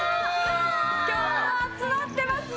今日も集まっていますね！